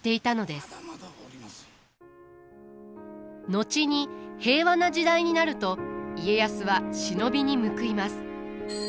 後に平和な時代になると家康は忍びに報います。